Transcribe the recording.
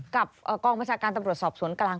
กับกองบัญชาการตำรวจสอบสวนกลาง